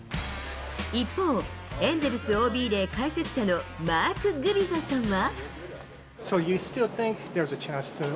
一方、エンゼルスＯＢで解説者のマーク・グビザさんは。